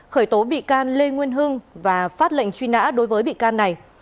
khởi tố bị can lê nguyên hưng và phát lệnh truy nã đối với bị can này